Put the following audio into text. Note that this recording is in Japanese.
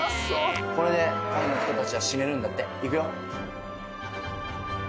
これでタイの人たちはシメるんだっていくよ